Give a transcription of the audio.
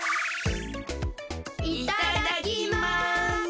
いただきます！